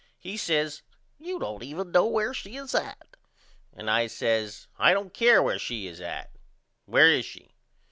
He says You don't even know where she is at and I says I don't care where she is at. Where is she?